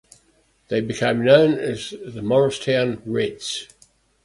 They became known as the Morristown Reds.